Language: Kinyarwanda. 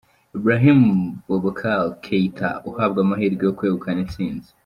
Ibrahim Boubacar Keita uhabwa amahirwe yo kwegukana intsinzi.